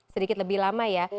sedikit lebih lama ya